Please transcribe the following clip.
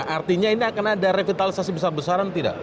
artinya ini akan ada revitalisasi besar besaran tidak